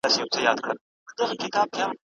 ږغ به وچ سي په کوګل کي د زاغانو